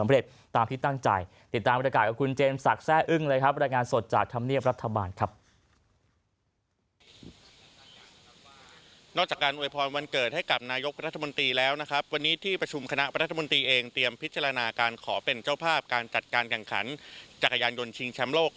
รัฐมนตรีแล้วนะครับวันนี้ที่ประชุมคณะรัฐมนตรีเองเตรียมพิจารณาการขอเป็นเจ้าภาพการจัดการกังขันจักรยานยนต์ชิงแชมป์โลก